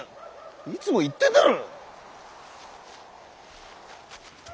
いつも言ってんだろ！